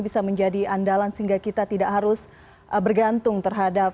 bisa menjadi andalan sehingga kita tidak harus bergantung terhadap